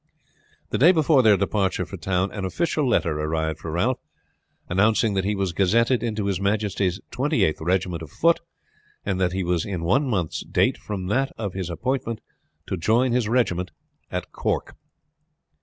The day before their departure for town an official letter arrived for Ralph, announcing that he was gazetted into his majesty's 28th Regiment of foot, and that he was in one month's date from that of his appointment to join his regiment at Cork.